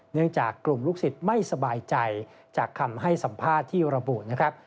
เนื่องจากกลุ่มลูกศิษย์ไม่สบายใจจากคำให้สัมภาษณ์ที่ระบุนะครับ